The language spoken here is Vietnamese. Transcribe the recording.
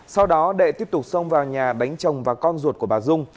sau đó đệ tiếp tục xông vào nhà đánh chồng và con ruột của bà dung